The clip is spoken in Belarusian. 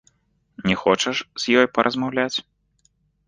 Не хочаш з ёй паразмаўляць?